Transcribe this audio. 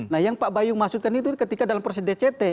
nah yang pak bayu maksudkan itu ketika dalam proses dct